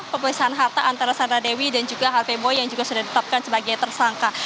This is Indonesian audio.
pemeriksaan harta antara sandra dewi dan juga harve boy yang juga sudah ditetapkan sebagai tersangka